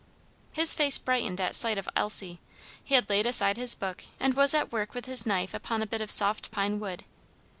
His face brightened at sight of Elsie. He had laid aside his book, and was at work with his knife upon a bit of soft pine wood.